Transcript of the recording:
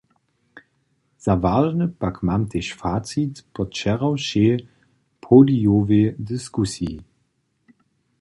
Za wažny pak mam tež facit po wčerawšej podijowej diskusiji.